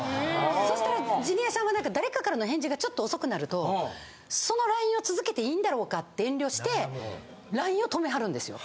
そしたらジュニアさんは誰かからの返事がちょっと遅くなるとそのＬＩＮＥを続けていいんだろうかって遠慮してＬＩＮＥを止めはるんですよ。